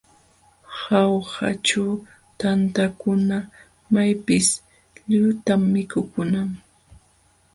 Jaujaćhu tantakuna maypis lliwta mikukunam.